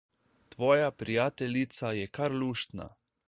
Tvoja prijateljica je kar luštna.